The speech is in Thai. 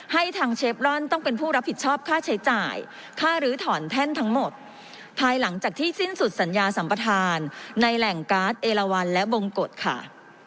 ให้ทางเชฟร่อนต้องเป็นผู้รับผิดชอบค่าใช้จ่ายค่าลื้อถอนแท่นทั้งหมดภายหลังจากที่สิ้นสุดสัญญาสัมปทานในแหล่งการ์ดเอลวันและบงกฎค่ะ